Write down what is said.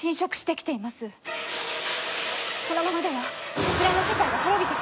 このままではこちらの世界が滅びてしまいます！